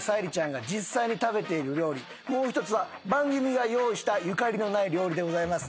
もう一つは番組が用意したゆかりのない料理でございます。